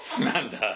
何だ？